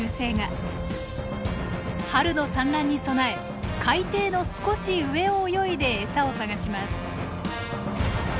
春の産卵に備え海底の少し上を泳いでエサを探します。